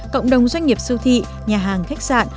cộng đồng doanh nghiệp siêu thị nhà hàng khách sạn